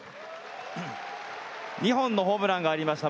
２本のホームランがありました。